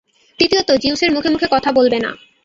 তৃতীয়ত, জিউসের মুখে মুখে কথা বলবে না।